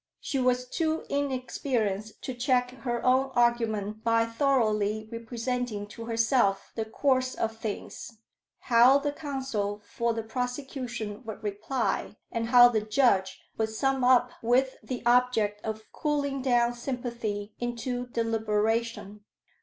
She was too inexperienced to check her own argument by thoroughly representing to herself the course of things: how the counsel for the prosecution would reply, and how the judge would sum up, with the object of cooling down sympathy into deliberation.